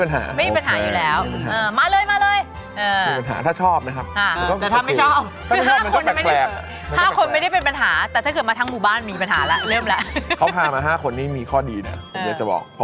ถ้าถามเป็นเราเราโอเค